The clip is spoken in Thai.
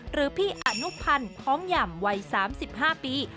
หรือพี่อนุพันธ์คล้องหย่ำวัย๓๕ปี